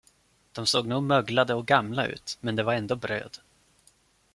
De såg nog möglade och gamla ut, men det var ändå bröd.